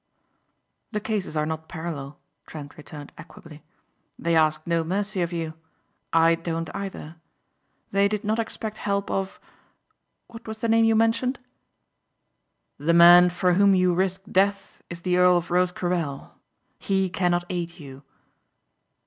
"The cases are not parallel," Trent returned equably, "They asked no mercy of you. I don't either. They did not expect help of what was the name you mentioned?" "The man for whom you risk death is the Earl of Rosecarrel. He cannot aid you."